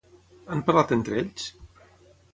Han parlat entre ells?